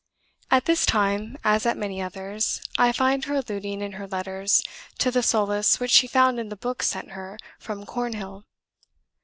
At this time, as at many others, I find her alluding in her letters to the solace which she found in the books sent her from Cornhill.